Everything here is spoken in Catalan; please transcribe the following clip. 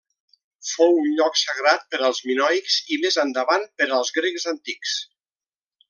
Fou un lloc sagrat per als minoics i, més endavant, per als grecs antics.